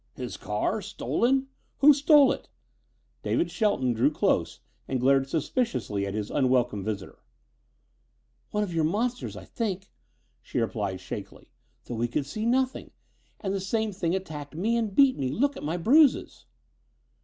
"His car stolen? Who stole it?" David Shelton drew close and glared suspiciously at his unwelcome visitor. "One of your monsters, I think," she replied shakily, "though we could see nothing. And the same thing attacked me and beat me. Look at my bruises!"